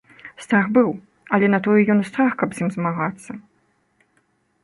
Страх быў, але на тое ён і страх, каб з ім змагацца.